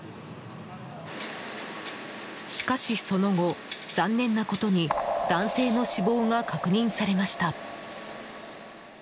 しかしその後、残念なことに男性の死亡が確認されました。